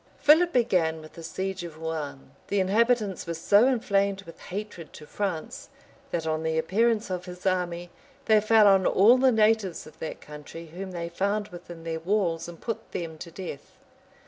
{1205.} Philip began with the siege of Rouen: the inhabitants were so inflamed with hatred to France, that on the appearance of his army, they fell on all the natives of that country whom they found within their walls, and put tham to death.